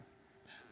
bagi sebagian orang